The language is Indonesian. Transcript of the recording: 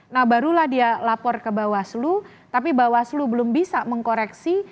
nah barulah dia lapor ke bawah selu tapi bawah selu belum bisa mengkoreksi